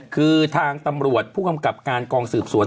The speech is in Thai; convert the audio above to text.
คือทางตำรวจผู้กำกับการกองสืบสวน